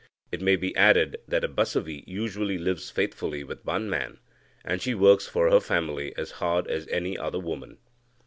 It may be added that a Basavi usually lives faithfully with one man, and she works for her family as hard as any other woman.